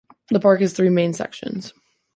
The park has three main sections.